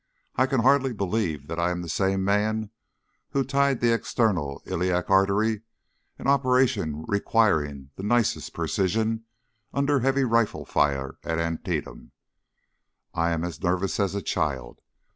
I can hardly believe that I am the same man who tied the external iliac artery, an operation requiring the nicest precision, under a heavy rifle fire at Antietam. I am as nervous as a child.